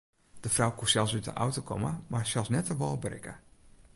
De frou koe sels út de auto komme mar net sels de wâl berikke.